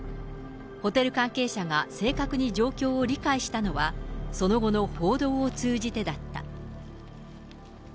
ホテル関係者が正確に状況を理解したのは、その後の報道を通じてだった。